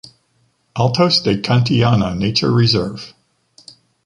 Altos de Cantillana Nature Reserve.